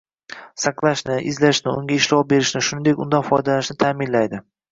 saqlashni, izlashni, unga ishlov berishni, shuningdek undan foydalanishni ta’minlaydi.